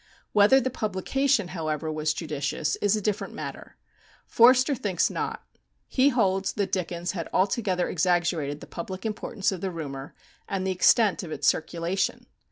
Whether the publication, however, was judicious is a different matter. Forster thinks not. He holds that Dickens had altogether exaggerated the public importance of the rumour, and the extent of its circulation.